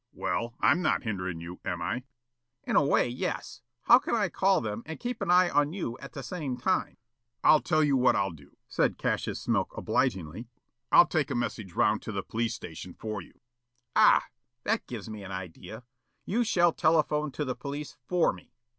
"Well, I'm not hindering you, am I?" "In a way, yes. How can I call them and keep an eye on you at the same time?" "I'll tell what I'll do," said Cassius Smilk obligingly. "I'll take a message 'round to the police station for you." "Ah! That gives me an idea. You shall telephone to the police for me.